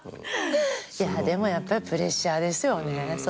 でもやっぱりプレッシャーですよねそれは。